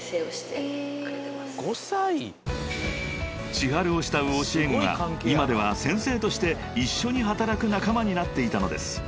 ［ｃｈｉｈａｒｕを慕う教え子が今では先生として一緒に働く仲間になっていたのです］